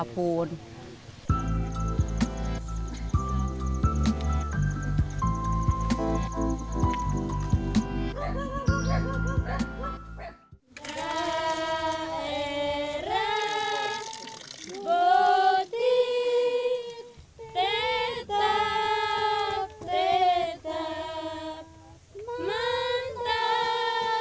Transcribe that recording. pembah atb tidak bermanfaat